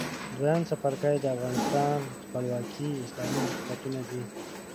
دویم څپرکی د افغانستان خپلواک اسلامي حکومتونه دي.